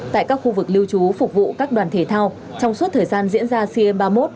tại các khu vực lưu trú phục vụ các đoàn thể thao trong suốt thời gian diễn ra sea games ba mươi một